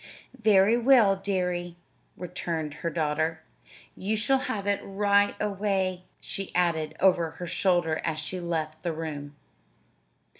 "Very well, dearie," returned her daughter. "You shall have it right away," she added over her shoulder as she left the room.